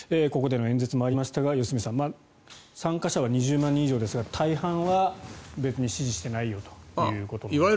ここでの演説もありましたが良純さん参加者は２０万人以上ですが大半は別に支持していないよということです。